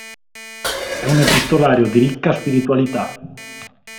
È un epistolario di ricca spiritualità.